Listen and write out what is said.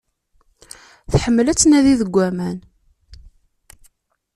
Tḥemmel ad tnadi deg aman.